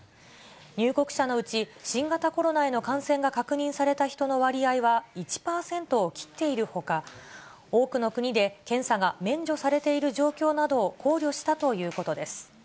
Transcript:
入国者のうち、新型コロナへの感染が確認された人の割合は、１％を切っているほか、多くの国で検査が免除されている状況などを考慮したということです。